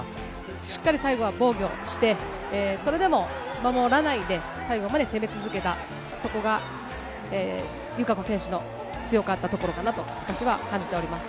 しっかり最後は防御して、それでも守らないで、最後まで攻め続けた、そこが友香子選手の強かったところかなと私は感じております。